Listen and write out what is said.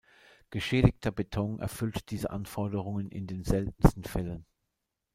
Geschädigter Beton erfüllt diese Anforderungen in den seltensten Fällen.